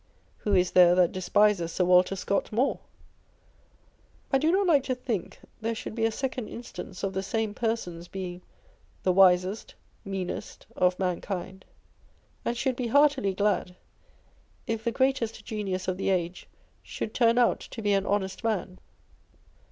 Who is there that despises Sir Walter Scott nioj*e ? I do not like to think there should be a second instance of the same person's being The wisest, meanest of mankind and should be heartily glad if the greatest genius of the age should turn out to be an honest man.